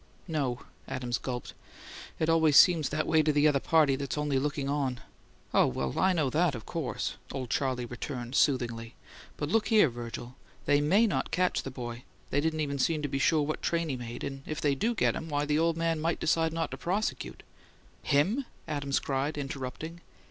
"No," Adams gulped. "It always seems that way to the other party that's only looking on!" "Oh, well, I know that, of course," old Charley returned, soothingly. "But look here, Virgil: they may not catch the boy; they didn't even seem to be sure what train he made, and if they do get him, why, the ole man might decide not to prosecute if " "HIM?" Adams cried, interrupting.